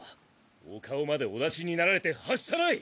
お顔までお出しになられてはしたない。